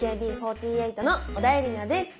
ＡＫＢ４８の小田えりなです。